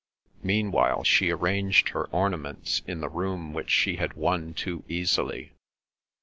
Meanwhile she arranged her ornaments in the room which she had won too easily.